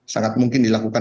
sangat mungkin dilakukan